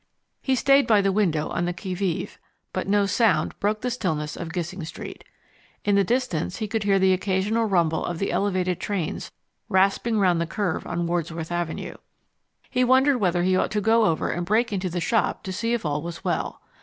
He stayed by the window on the qui vive, but no sound broke the stillness of Gissing Street. In the distance he could hear the occasional rumble of the Elevated trains rasping round the curve on Wordsworth Avenue. He wondered whether he ought to go over and break into the shop to see if all was well.